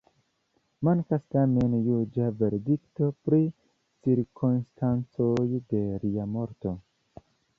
Mankas tamen juĝa verdikto pri cirkonstancoj de lia morto.